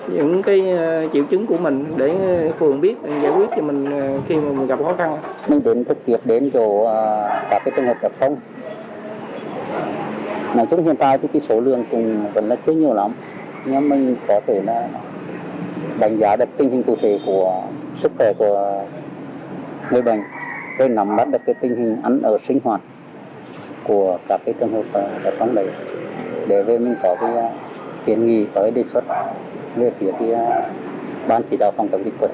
những triệu chứng của mình để phường biết giải quyết cho mình khi gặp khó khăn